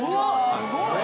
すごい。